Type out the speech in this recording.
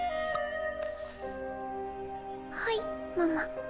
はいママ。